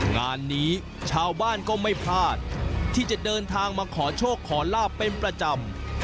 งานนี้ชาวบ้านก็ไม่พลาดที่จะเดินทางมาขอโชคขอลาบเป็นประจำ